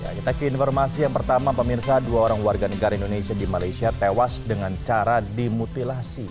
kita ke informasi yang pertama pemirsa dua orang warga negara indonesia di malaysia tewas dengan cara dimutilasi